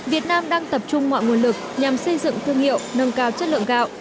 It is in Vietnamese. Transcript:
việt nam đang tập trung mọi nguồn lực nhằm xây dựng thương hiệu nâng cao chất lượng gạo